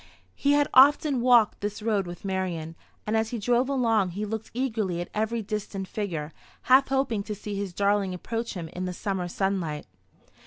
He had often walked this road with Marian; and as he drove along he looked eagerly at every distant figure, half hoping to see his darling approach him in the summer sunlight.